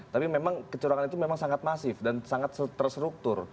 tapi memang kecurangan itu memang sangat masif dan sangat terstruktur